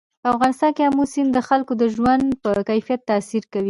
په افغانستان کې آمو سیند د خلکو د ژوند په کیفیت تاثیر کوي.